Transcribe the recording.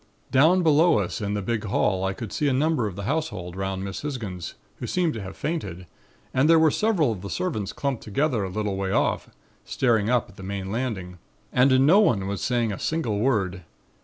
"Down below us in the big hall I could see a number of the household 'round Miss Hisgins, who seemed to have fainted and there were several of the servants clumped together a little way off, staring up at the main landing and no one saying a single word.